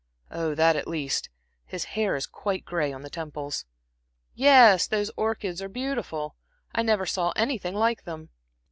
"Oh, that, at least. His hair is quite gray on the temples. 'Yes, those orchids are beautiful. I never saw anything like them.'